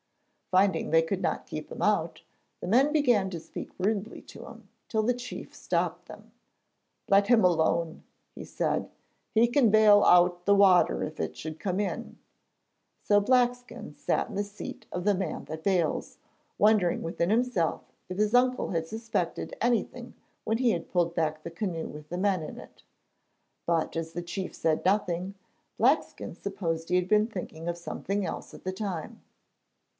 Finding they could not keep him out, the men began to speak rudely to him, till the chief stopped them. 'Let him alone,' he said; 'he can bale out the water if it should come in;' so Blackskin sat in the seat of the man that bales, wondering within himself if his uncle had suspected anything when he had pulled back the canoe with the men in it. But as the chief said nothing, Blackskin supposed he had been thinking of something else at the time.